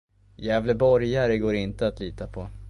Gävleborgare går inte att lita på.